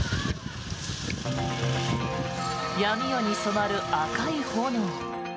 闇夜に染まる赤い炎。